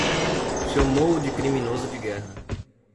Chamou-o de criminoso de guerra